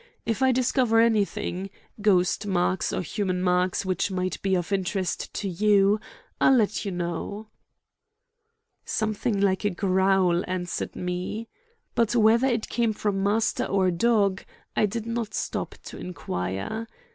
If I discover anything—ghost marks or human marks which might be of interest to you—I'll let you know." Something like a growl answered me. But whether it came from master or dog, I did not stop to inquire.